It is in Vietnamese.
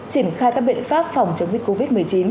triển khai các biện pháp phòng chống dịch covid một mươi chín